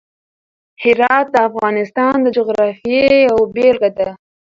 هرات د افغانستان د جغرافیې یوه بېلګه ده.